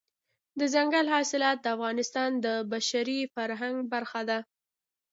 دځنګل حاصلات د افغانستان د بشري فرهنګ برخه ده.